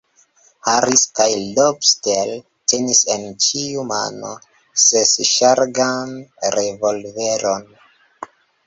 Harris kaj Lobster tenis en ĉiu mano sesŝargan revolveron.